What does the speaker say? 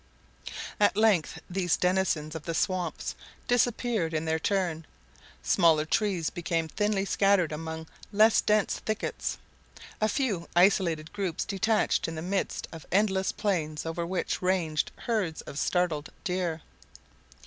At length these denizens of the swamps disappeared in their turn; smaller trees became thinly scattered among less dense thickets—a few isolated groups detached in the midst of endless plains over which ranged herds of startled deer.